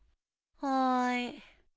はい。